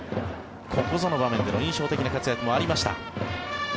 ここぞの場面で印象的な活躍もありました。